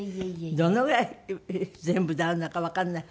どのぐらい全部であるのかわからない。